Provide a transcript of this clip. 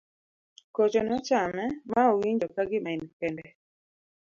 kocho nochame ma owinjo ka gima en kende